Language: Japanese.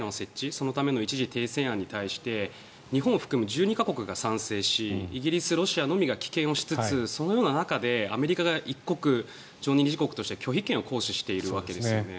そのための一時停戦案に対して日本を含む１２か国が賛成しイギリス、ロシアのみが棄権をしつつそのような中でアメリカが１国常任理事国として拒否権を行使しているわけですね。